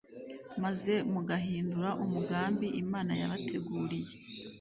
maze mugahindura umugambi Imana yabateguriye.”